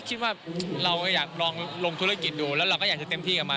คิดว่าเราอยากลองลงธุรกิจดูแล้วเราก็อยากจะเต็มที่กับมัน